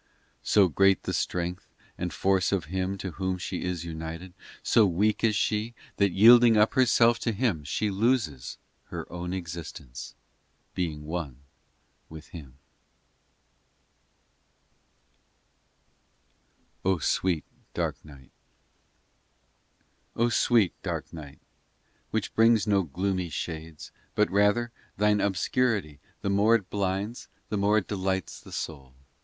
XVI So great the strength And force of Him to Whom she is united, So weak is she, That yielding up herself to Him, she loses Her own existence, being one with Him I OH SWEET DARK NIGHT Oh dulce noche escura I I O SWEET dark night Which brings no gloomy shades, But rather, thine obscurity The more it blinds, the more delights the soul.